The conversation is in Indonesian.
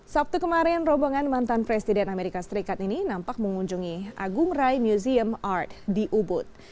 sabtu kemarin rombongan mantan presiden amerika serikat ini nampak mengunjungi agung rai museum art di ubud